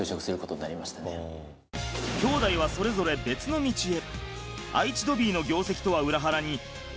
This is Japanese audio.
兄弟はそれぞれ別の道へ。